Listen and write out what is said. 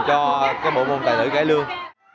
cho cái bộ môn tài lưỡi cải lương